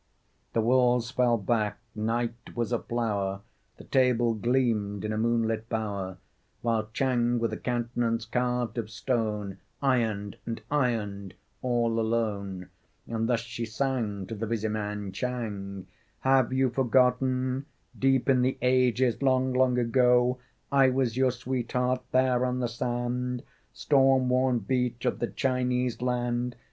The walls fell back, night was aflower, The table gleamed in a moonlit bower, While Chang, with a countenance carved of stone, Ironed and ironed, all alone. And thus she sang to the busy man Chang: "Have you forgotten.... Deep in the ages, long, long ago, I was your sweetheart, there on the sand Storm worn beach of the Chinese land?